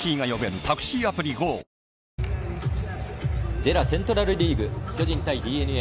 ＪＥＲＡセントラルリーグ、巨人対ＤｅＮＡ。